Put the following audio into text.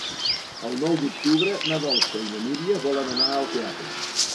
El nou d'octubre na Dolça i na Núria volen anar al teatre.